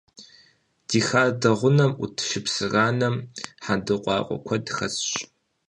Ди хадэ гъунэм Ӏут шыпсыранэм хьэндыркъуакъуэ куэд хэсщ.